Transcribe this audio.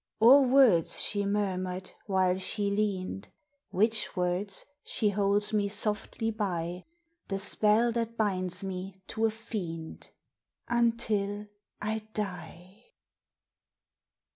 Or words she murmured while she leaned! Witch words, she holds me softly by, The spell that binds me to a fiend Until I die.